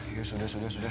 iya sudah sudah sudah